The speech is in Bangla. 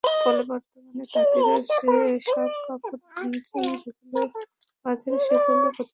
ফলে বর্তমানে তাঁতিরা যেসব কাপড় বুনছেন, বাজারে সেগুলোর প্রত্যাশিত দাম পাচ্ছেন না।